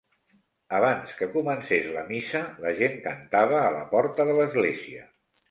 Abans que comencés la missa, la gent cantava a la porta de l'església.